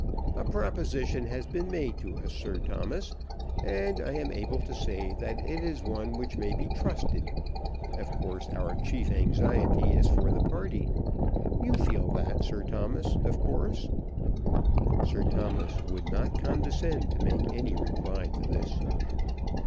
"A proposition has been made to us, Sir Thomas, and I am able to say that it is one which may be trusted. Of course our chief anxiety is for the party. You feel that, Sir Thomas, of course." Sir Thomas would not condescend to make any reply to this.